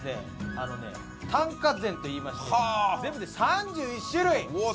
あのね短歌膳といいまして全部で３１種類はあうわ